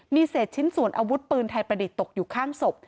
มีเศษชิ้นส่วนอาวุธปืนไทยประดิษฐ์ตกอยู่ข้างศพ